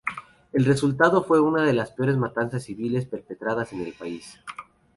El resultado fue una de las peores matanzas de civiles perpetradas en el país.